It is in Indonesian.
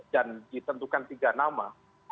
dan ditentukan tiga nama